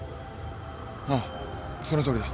ああそのとおりだ。